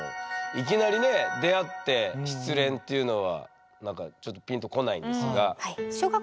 いきなりね出会って失恋っていうのは何かちょっとピンと来ないんですが。